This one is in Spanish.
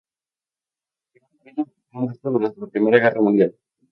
Su primer marido había muerto durante la Primera Guerra Mundial.